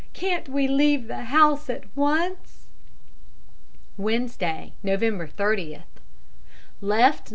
Can't we leave the house at once?' "Wednesday, November 30th. Left No.